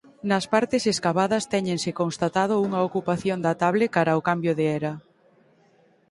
Nas partes escavadas téñense constatado unha ocupación datable cara ao cambio de era.